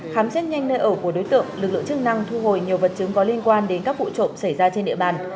khám xét nhanh nơi ở của đối tượng lực lượng chức năng thu hồi nhiều vật chứng có liên quan đến các vụ trộm xảy ra trên địa bàn